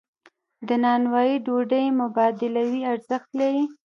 د نانوایی ډوډۍ مبادلوي ارزښت لري.